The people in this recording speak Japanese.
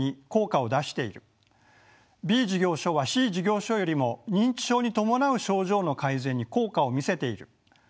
「Ｂ事業所はＣ事業所よりも認知症に伴う症状の改善に効果を見せている」